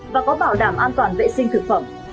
và có bảo đảm an toàn vệ sinh thực phẩm